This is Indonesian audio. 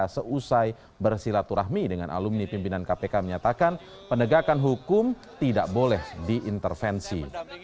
seusai bersilaturahmi dengan alumni pimpinan kpk menyatakan penegakan hukum tidak boleh diintervensi